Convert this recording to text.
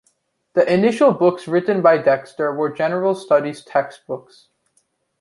The initial books written by Dexter were general studies text books.